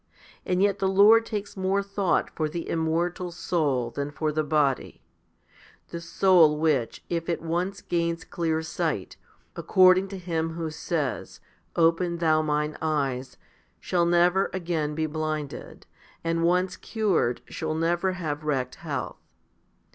And yet the Lord takes more thought for the immortal soul than for the body, the soul which, if it once gains clear sight, according to him who says, Open thou mine eyes 3 shall never again be blinded, and once cured shall never have wrecked health.